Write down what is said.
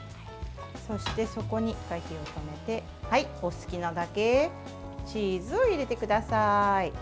そしてそこに、１回火を止めてお好きなだけチーズを入れてください。